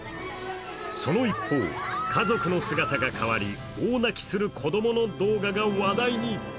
その一方、家族の姿が変わり大泣きする子供の動画が話題に。